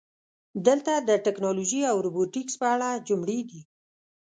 دلته د "ټکنالوژي او روبوټیکس" په اړه جملې دي: